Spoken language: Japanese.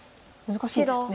難しいですね。